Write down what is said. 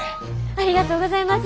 ありがとうございます。